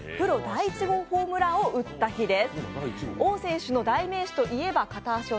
貞治選手がプロ第１号ホームランを打った日です。